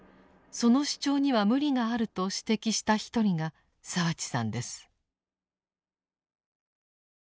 その主張には無理があると指摘した一人が澤地さんです。